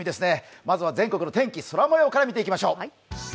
まずは全国の天気、空もようから見ていきましょう。